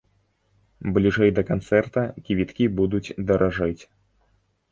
Бліжэй да канцэрта квіткі будуць даражэць.